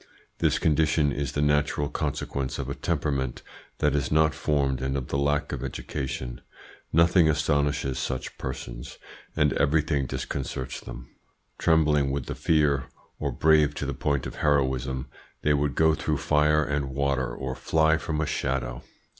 This condition is the natural consequence of a temperament that is not formed and of the lack of education. Nothing astonishes such persons, and everything disconcerts them. Trembling with fear or brave to the point of heroism, they would go through fire and water or fly from a shadow.